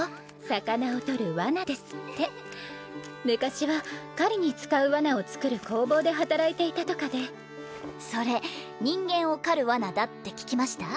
魚を捕るワナですって昔は狩りに使うワナを作る工房で働いていたとかでそれ人間を狩るワナだって聞きました？